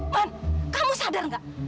man kamu sadar nggak